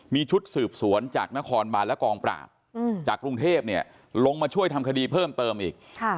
มีชุดสืบสวนจากนครบานและกองปราบจากกรุงเทพลงมาช่วยทำคดีเพิ่มเติมอีก